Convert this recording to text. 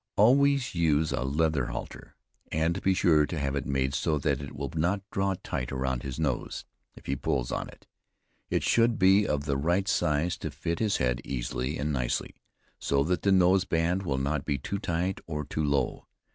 Always use a leather halter, and be sure to have it made so that it will not draw tight around his nose if he pulls on it. It should be of the right size to fit his head easily and nicely; so that the nose band will not be too tight or too low.